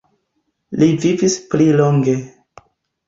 Li vivis pli longe.